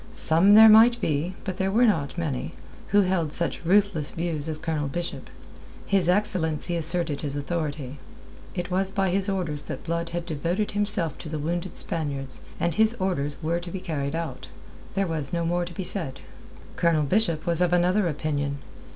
Some there might be, but they were not many, who held such ruthless views as Colonel Bishop. His excellency asserted his authority. It was by his orders that Blood had devoted himself to the wounded Spaniards, and his orders were to be carried out. There was no more to be said. Colonel Bishop was of another opinion.